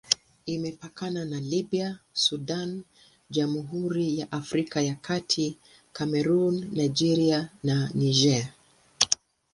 Imepakana na Libya, Sudan, Jamhuri ya Afrika ya Kati, Kamerun, Nigeria na Niger.